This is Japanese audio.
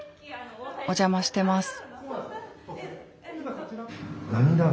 お邪魔してます。